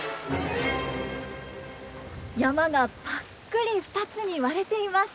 山がぱっくり２つに割れています。